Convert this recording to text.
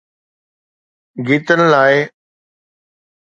گيتن لاءِ.